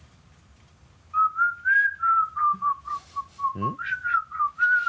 うん？